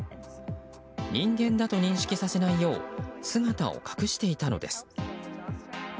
人間だと認識させないよう姿を隠していたのです。